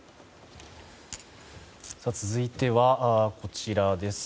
続いては、こちらです。